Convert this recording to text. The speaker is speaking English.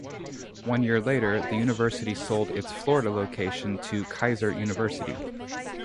One year later, the university sold its Florida location to Keiser University.